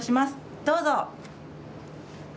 どうぞ。